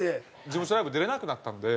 事務所のライブ出られなくなったんで。